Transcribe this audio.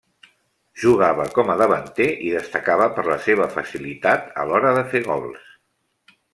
Jugava com a davanter i destacava per la seva facilitat a l'hora de fer gols.